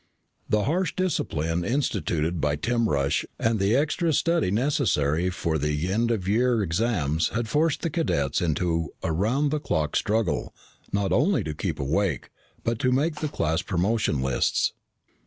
The harsh discipline instituted by Tim Rush and the extra study necessary for the end of year exams had forced the cadets into a round the clock struggle not only to keep awake but to make the class promotion lists.